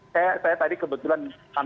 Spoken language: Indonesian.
saya tadi kebetulan